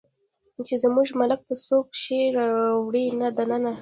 چې زموږ ملک ته څوک شی راوړي دننه